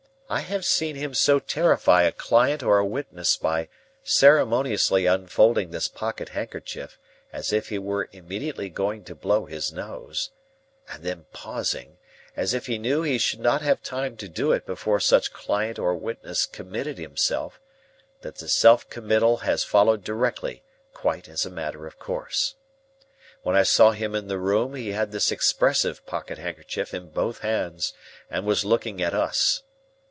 I have seen him so terrify a client or a witness by ceremoniously unfolding this pocket handkerchief as if he were immediately going to blow his nose, and then pausing, as if he knew he should not have time to do it before such client or witness committed himself, that the self committal has followed directly, quite as a matter of course. When I saw him in the room he had this expressive pocket handkerchief in both hands, and was looking at us.